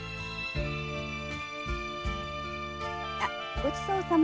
ごちそうさま。